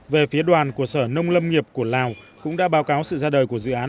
về phía đoàn của sở nông lâm nghiệp của lào cũng đã báo cáo sự ra đời của dự án